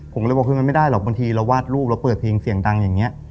ผมเลยบอกคือมันไม่ได้หรอกบางทีเราวาดรูปเราเปิดเพลงเสียงดังอย่างนี้